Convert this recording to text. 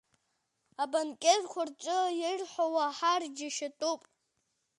Абанкетқәа рҿы ирҳәо уаҳар, џьашьатәуп!